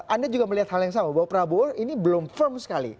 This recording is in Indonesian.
anda juga melihat hal yang sama bahwa prabowo ini belum firm sekali